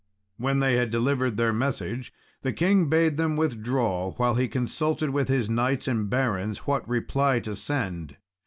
When they had delivered their message, the king bade them withdraw while he consulted with his knights and barons what reply to send.